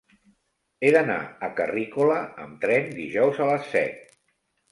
He d'anar a Carrícola amb tren dijous a les set.